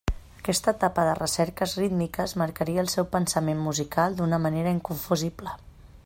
Aquesta etapa de recerques rítmiques marcaria el seu pensament musical d'una manera inconfusible.